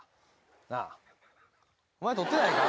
なあお前取ってないか？